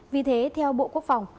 vì thế theo bộ quốc phòng